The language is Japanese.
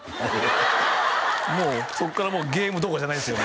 もうそっからゲームどころじゃないですよね